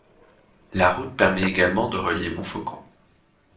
La route permet également de relier Montfaucon.